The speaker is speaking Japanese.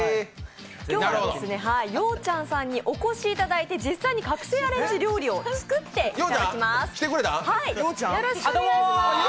今日はよおちゃんさんにお越しいただいて実際に覚醒アレンジ料理を作っていただきます。